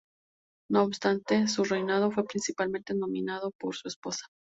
No obstante, su reinado fue principalmente dominado por su esposa.